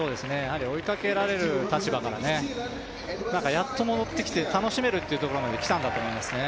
追いかけられる立場からやっと戻ってきて楽しめるってところまで来たんだと思います。